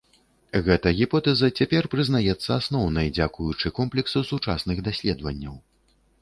Гэта гіпотэза цяпер прызнаецца асноўнай дзякуючы комплексу сучасных даследаванняў.